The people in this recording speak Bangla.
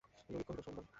ললিতা কহিল, সোমবার।